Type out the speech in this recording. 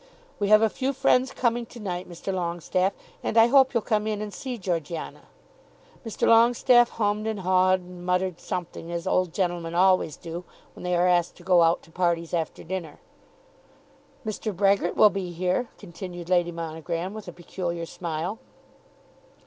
"We have a few friends coming to night, Mr. Longestaffe, and I hope you'll come in and see Georgiana." Mr. Longestaffe hummed and hawed and muttered something, as old gentlemen always do when they are asked to go out to parties after dinner. "Mr. Brehgert will be here," continued Lady Monogram with a peculiar smile.